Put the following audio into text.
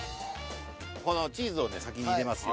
このチーズを先に入れますよ。